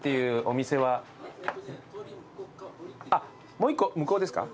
もう一個向こうですか？